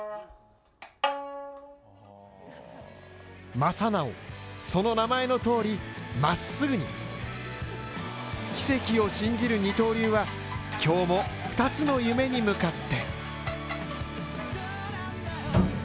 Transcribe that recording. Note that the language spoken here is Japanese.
真直、その名前のとおり、まっすぐに。奇跡を信じる二刀流は、今日も２つの夢に向かって。